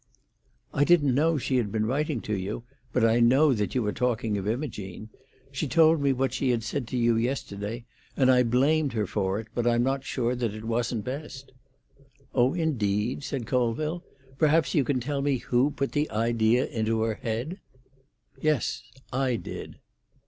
"I didn't know she had been writing to you, but I know that you are talking of Imogene. She told me what she had said to you yesterday, and I blamed her for it, but I'm not sure that it wasn't best." "Oh, indeed!" said Colville. "Perhaps you can tell me who put the idea into her head?" "Yes; I did."